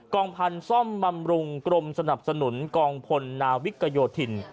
องพันธุ์ซ่อมบำรุงกรมสนับสนุนกองพลนาวิกโยธิน